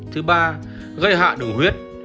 thứ ba gây hạ đường huyết